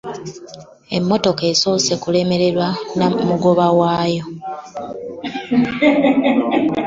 Emmotoka esoose kulemerera mugoba waayo.